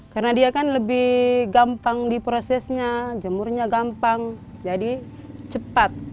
karena dia kan lebih gampang di prosesnya jemurnya gampang jadi cepat